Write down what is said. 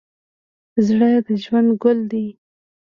زړه د ژوند ګل دی.